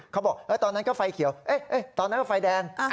ตอนนั้นก็ไฟเขียวตอนนั้นก็ไฟแดง